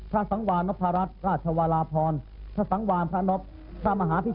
จากนั้นเวลา๑๑นาฬิกาเศรษฐ์พระธินั่งไพรศาลพักศิลป์